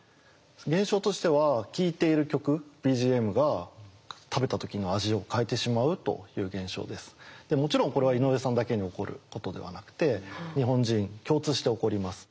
現象としてはもちろんこれは井上さんだけに起こることではなくて日本人共通して起こります。